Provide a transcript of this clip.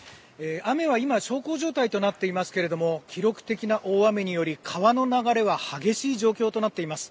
雨は今、小康状態となっていますけれども記録的な大雨により川の流れは激しい状況となっています。